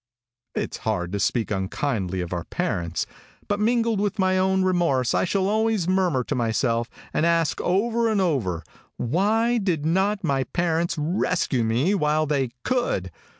"It's hard to speak unkindly of our parents, but mingled with my own remorse I shall always murmur to myself, and ask over and over, why did not my parents rescue me while they could?